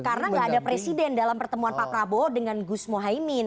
karena gak ada presiden dalam pertemuan pak prabowo dengan gus muhaymin